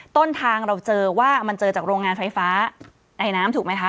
ต้นทางเราเจอว่ามันเจอจากโรงงานไฟฟ้าในน้ำถูกไหมคะ